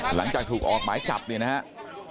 หลังจากถูกออกไม้จับนะครับ